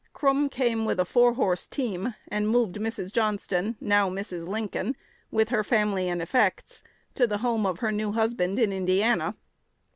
Krume came with a four horse team, and moved Mrs. Johnston, now Mrs. Lincoln, with her family and effects, to the home of her new husband in Indiana.